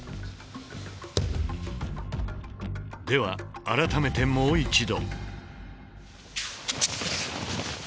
では改めてもう一度。